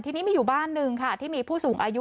ทีนี้มีอยู่บ้านหนึ่งค่ะที่มีผู้สูงอายุ